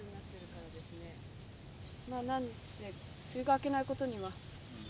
まあなんせ梅雨が明けないことには。